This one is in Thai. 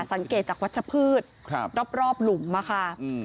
สังเกตจากวัชพืชรอบหลุมค่ะ